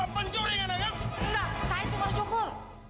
nggak saya itu yang cukur